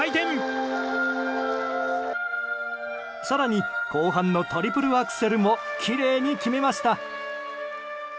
更に後半のトリプルアクセルもきれいに決めました。